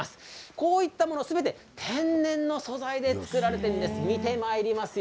こうしたもの、すべて天然の素材で作られているんです。